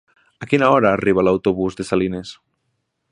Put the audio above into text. A quina hora arriba l'autobús de Salines?